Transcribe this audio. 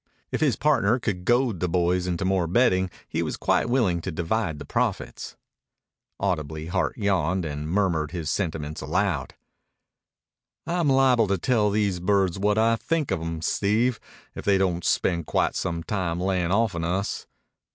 If his partner could goad the boys into more betting he was quite willing to divide the profits. Audibly Hart yawned and murmured his sentiments aloud. "I'm liable to tell these birds what I think of 'em, Steve, if they don't spend quite some time layin' off'n us."